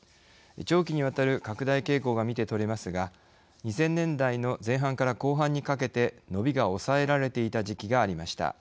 長期にわたる拡大傾向が見て取れますが２０００年代の前半から後半にかけて伸びが抑えられていた時期がありました。